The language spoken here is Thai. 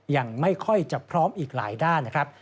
ยังไม่ค่อยจะพร้อมอีกหลายด้านนะครับ